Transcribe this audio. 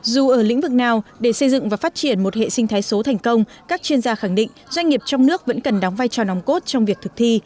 dù ở lĩnh vực nào để xây dựng và phát triển một hệ sinh thái số thành công các chuyên gia khẳng định doanh nghiệp trong nước vẫn cần đóng vai trò nòng cốt trong việc thực thi